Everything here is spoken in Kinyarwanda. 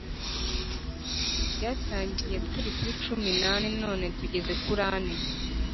Byatangiye turi kuri cum inane none tugeze kuri ane